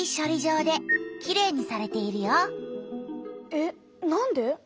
えっなんで？